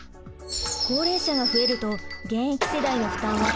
高齢者が増えると現役世代の負担は増加します。